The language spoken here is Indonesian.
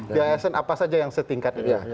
di asn apa saja yang setingkat itu